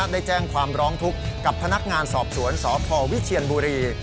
ได้แจ้งความร้องทุกข์กับพนักงานสอบสวนสพวิเชียนบุรี